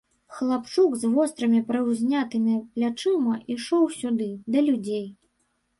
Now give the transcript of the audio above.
Хлапчук з вострымі прыўзнятымі плячыма ішоў сюды, да людзей.